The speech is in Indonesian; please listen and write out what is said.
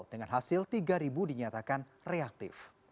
dengan hasil tiga dinyatakan reaktif